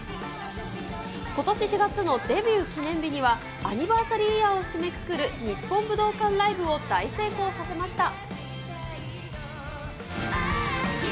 ことし４月のデビュー記念日には、アニバーサリーイヤーを締めくくる日本武道館ライブを大成功させました。